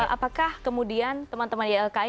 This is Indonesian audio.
apakah kemudian teman teman ylki